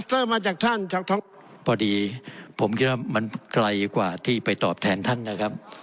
มาจากท่านช็อกพอดีผมคิดว่ามันไกลกว่าที่ไปตอบแทนท่านนะครับ